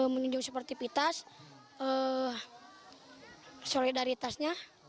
meninjau sepertipitas solidaritasnya